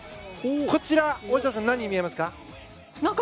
こちら、大下さん何に見えますか？